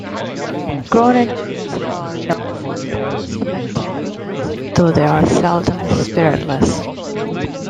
Groningens are known for their even temperaments, though they are seldom spiritless.